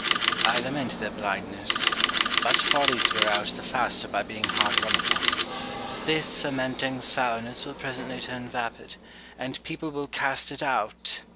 I lament their blindness ; but follies Avear out the faster by being hard run upon. This fermenting sour ness will presently turn vapid, and people will cast it out.